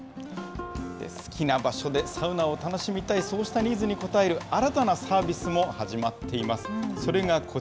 好きな場所でサウナを楽しみたい、そうしたニーズに応える新たなサービスも始まっています。